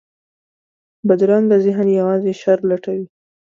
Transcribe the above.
بدرنګه ذهن یوازې شر لټوي